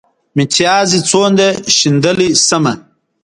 متيازې څونه شيندلی شمه.